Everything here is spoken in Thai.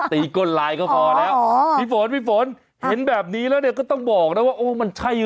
ตีก้นรายก็พอแล้วอ๋อพี่ฝนพี่มันใช่